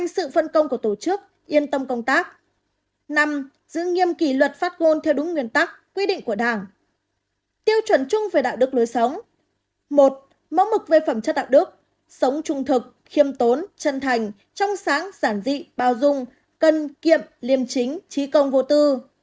sống trung thực khiêm tốn chân thành trong sáng giản dị bao dung cân kiệm liêm chính trí công vô tư